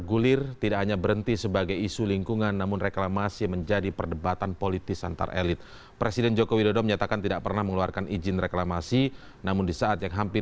untuk membahasnya sudah hadir di studio saat ini sudirman said ketua tim sinkronisasi anisandi